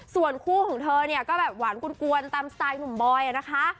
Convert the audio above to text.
ส่วนคู่ของเธอเนี่ยก็แบบหวานกวนตามสไตล์หนุ่มบอยนะคะ